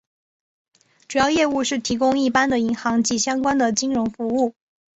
主要业务是提供一般的银行及相关的金融服务。